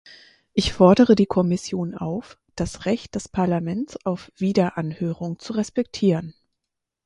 Ich fordere die Kommission auf, das Recht des Parlaments auf Wiederanhörung zu respektieren.